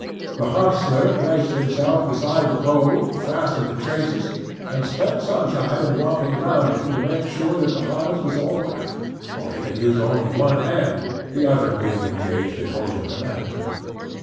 The hostler placed him beside the pole, fastened the traces, and spent some time in walking round him to make sure that the harness was all right; for he could use only one hand, the other being engaged in holding the lantern.